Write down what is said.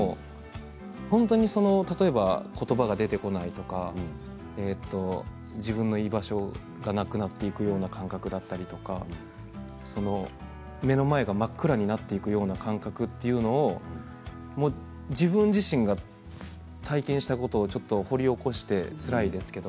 本当に言葉が出てこないとか自分の居場所がなくなっていくような感覚とか目の前が真っ暗になっていくような感覚というのを自分自身が体験したことをちょっと掘り起こしてつらいですけれど